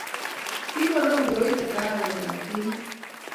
Kokonam koroito kahawek ab keiyo